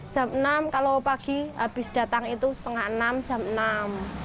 jam enam kalau pagi habis datang itu setengah enam jam enam